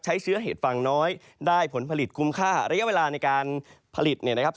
ใช้เชื้อเห็ดฟางน้อยได้ผลผลิตคุ้มค่าระยะเวลาในการผลิตเนี่ยนะครับ